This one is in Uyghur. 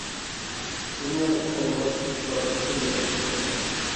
ئۇنىڭ ئالغان ئىككى كىتابى خېلى ياخشى كىتاب ئىدى.